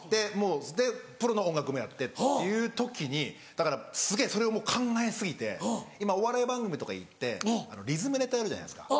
でプロの音楽もやってっていう時にだからすげぇそれを考え過ぎて今お笑い番組とかいってリズムネタやるじゃないですか。